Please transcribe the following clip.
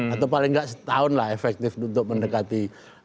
atau paling enggak setahun lah efektif untuk mendekati dua ribu sembilan belas